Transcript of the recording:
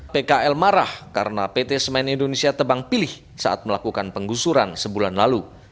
pkl marah karena pt semen indonesia tebang pilih saat melakukan penggusuran sebulan lalu